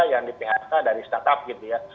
yang di phk dari startup gitu ya